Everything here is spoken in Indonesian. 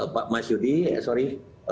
pak mas yudi sorry